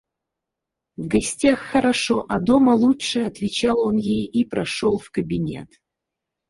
В гостях хорошо, а дома лучше, — отвечал он ей и прошел в кабинет.